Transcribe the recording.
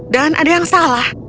dan ada yang salah